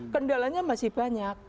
kendalanya masih banyak